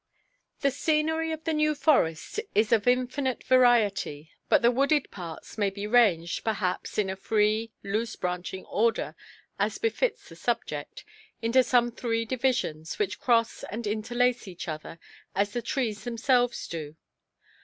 The scenery of the New Forest is of infinite variety; but the wooded parts may be ranged, perhaps, in a free, loose–branching order (as befits the subject), into some three divisions, which cross and interlace each other, as the trees themselves do.